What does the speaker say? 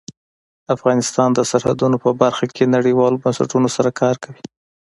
افغانستان د سرحدونه په برخه کې نړیوالو بنسټونو سره کار کوي.